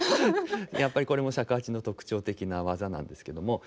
やっぱりこれも尺八の特徴的な技なんですけども。